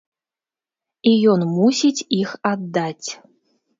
І ён мусіць іх аддаць.